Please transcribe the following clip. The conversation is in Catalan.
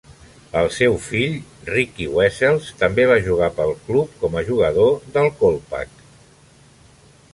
El seu fill, Riki Wessels, també va jugar pel club com a jugador del Kolpak.